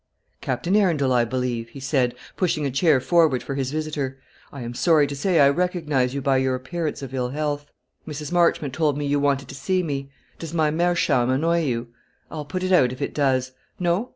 "Captain Arundel, I believe?" he said, pushing a chair forward for his visitor. "I am sorry to say I recognise you by your appearance of ill health. Mrs. Marchmont told me you wanted to see me. Does my meerschaum annoy you? I'll put it out if it does. No?